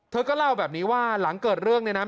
เธอก็เล่าแบบนี้ว่าหลังเกิดเรื่องเนี่ยนะ